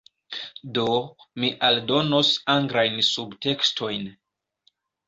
Do, mi aldonos anglajn subtekstojn